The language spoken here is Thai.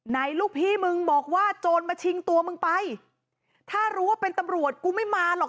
ลูกพี่มึงบอกว่าโจรมาชิงตัวมึงไปถ้ารู้ว่าเป็นตำรวจกูไม่มาหรอก